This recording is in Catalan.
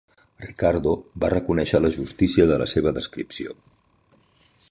Ricardo va reconèixer la justícia de la seva descripció.